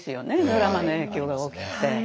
ドラマの影響が大きくて。